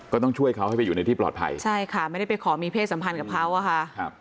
ก็ต้องช่วยเขาให้ไปอยู่ในที่ปลอดภัยใช่ค่ะไม่ได้ไปขอมีเพศสัมพันธ์กับเขาอะค่ะครับ